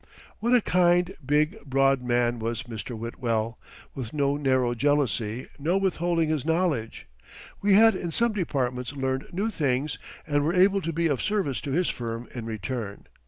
What a kind, big, broad man was Mr. Whitwell, with no narrow jealousy, no withholding his knowledge! We had in some departments learned new things and were able to be of service to his firm in return.